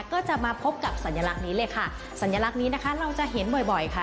ก็จะมาพบกับสัญลักษณ์นี้เลยค่ะสัญลักษณ์นี้นะคะเราจะเห็นบ่อยบ่อยค่ะ